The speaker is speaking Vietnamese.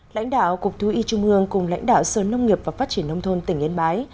lãnh đạo cục thu y trung mương cùng lãnh đạo sơn nông nghiệp và phát triển nông thôn tỉnh yên bái